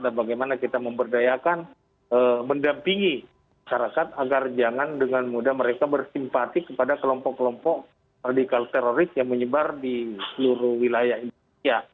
dan bagaimana kita memberdayakan mendampingi masyarakat agar jangan dengan mudah mereka bersimpati kepada kelompok kelompok radikal teroris yang menyebar di seluruh wilayah indonesia